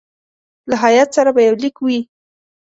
له هیات سره به یو لیک وي.